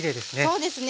そうですね。